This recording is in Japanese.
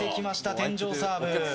天井サーブ。